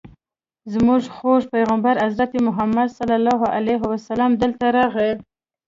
زموږ خوږ پیغمبر حضرت محمد صلی الله علیه وسلم دلته راغی.